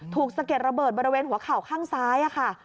สะเก็ดระเบิดบริเวณหัวเข่าข้างซ้ายค่ะ